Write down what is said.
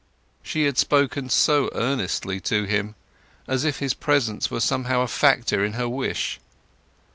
She had spoken so earnestly to him, as if his presence were somehow a factor in her wish.